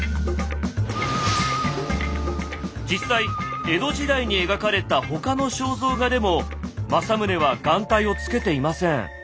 実際江戸時代に描かれた他の肖像画でも政宗は眼帯をつけていません。